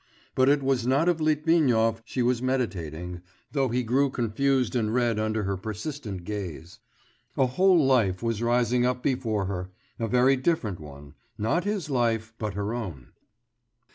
But it was not of Litvinov she was meditating, though he grew confused and red under her persistent gaze. A whole life was rising up before her, a very different one, not his life, but her own.